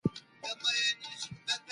او د دې حالت د پاره ضروري ده